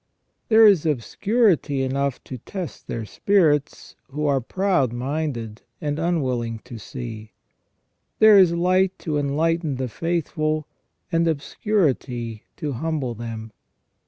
There is obscurity enough to test their spirits who are proud minded and unwilling to see. There is light to enlighten the faithful, and obscurity to humble them.